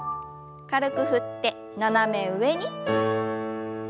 軽く振って斜め上に。